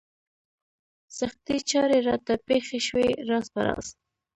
سختې چارې راته پېښې شوې راز په راز.